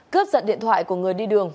cướp dẫn điện thoại của người đi đường